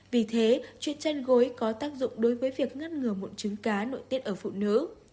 vì thế chuyện chăn gối có tác dụng đối với việc ngăn ngừa mụn chướng cá nội tiết ở phụ nữ